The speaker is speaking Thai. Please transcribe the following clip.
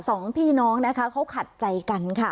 สองพี่น้องนะคะเขาขัดใจกันค่ะ